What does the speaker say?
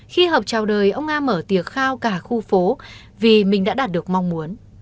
khi hợp trào đời ông a mở tiệc khao cả khu phố vì mình đã đạt được mong muốn